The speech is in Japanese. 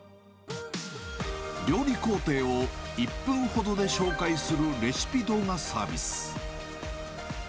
料理工程を１分ほどで紹介するレシピ動画サービス。